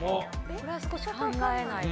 これは少し考えないと。